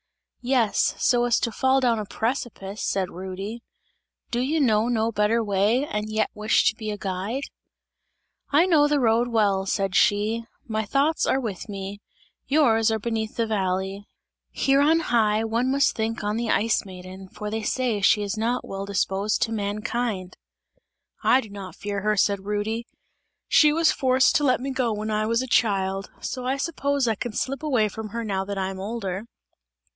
"Yes, so as to fall down a precipice!" said Rudy; "Do you know no better way, and yet wish to be a guide?" "I know the road well," said she, "my thoughts are with me; yours are beneath in the valley; here on high, one must think on the Ice Maiden, for they say she is not well disposed to mankind!" "I do not fear her," said Rudy, "she was forced to let me go when I was a child, so I suppose I can slip away from her now that I am older!"